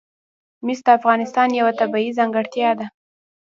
مس د افغانستان یوه طبیعي ځانګړتیا ده.